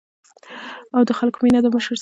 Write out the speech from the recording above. او د خلکو مينه د مشر سره ګورو ـ